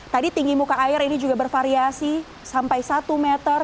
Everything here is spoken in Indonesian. tadi tinggi muka air ini juga bervariasi sampai satu meter